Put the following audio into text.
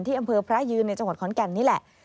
อำเภอพระยืนในจังหวัดขอนแก่นนี่แหละ